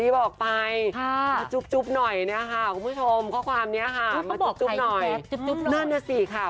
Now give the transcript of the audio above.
บอกไปมาจุ๊บหน่อยเนี่ยค่ะคุณผู้ชมข้อความนี้ค่ะจุ๊บหน่อยนั่นน่ะสิค่ะ